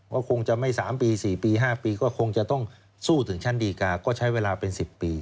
ก็คงจะไม่๓ปี๔ปี๕ปีก็คงจะต้องสู้ถึงชั้นดีกาก็ใช้เวลาเป็น๑๐ปี